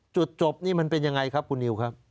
จุดจบนี่มันเป็นยังไงครับคุณนิวครับ